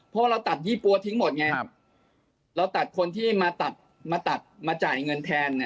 เพราะว่าเราตัดยี่ปั๊วทิ้งหมดไงเราตัดคนที่มาตัดมาตัดมาจ่ายเงินแทน